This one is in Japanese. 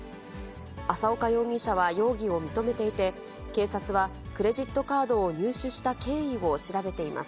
浅岡容疑者は容疑を認めていて、警察はクレジットカードを入手した経緯を調べています。